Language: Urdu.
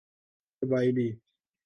قبائلی